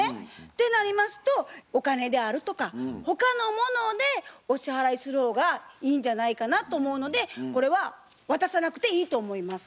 てなりますとお金であるとか他のものでお支払いする方がいいんじゃないかなと思うのでこれは渡さなくていいと思います。